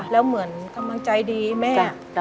แล้วเหมือนกำลังใจดีแม่